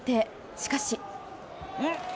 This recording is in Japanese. しかし。